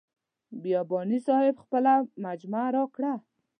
بیاباني صاحب خپله مجموعه راکړه.